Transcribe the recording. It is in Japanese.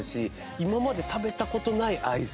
今まで食べた事ないアイス。